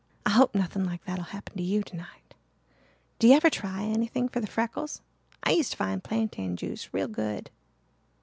I hope nothing like that'll happen to you tonight. Do you ever try anything for the freckles? I used to find plantain juice real good."